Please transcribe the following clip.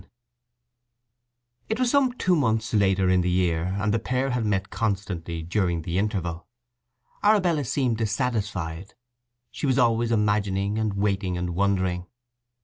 IX It was some two months later in the year, and the pair had met constantly during the interval. Arabella seemed dissatisfied; she was always imagining, and waiting, and wondering.